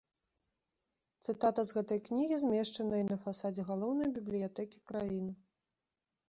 Цытата з гэтай кнігі змешчана і на фасадзе галоўнай бібліятэкі краіны.